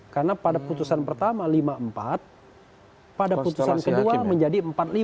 karena pada putusan pertama lima empat pada putusan kedua menjadi empat lima